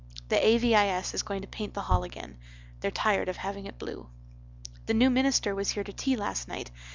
"The A.V.I.S. is going to paint the hall again. They're tired of having it blue. "The new minister was here to tea last night.